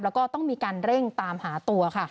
แล้วก็ต้องมีการเร่งตามหาตัวค่ะ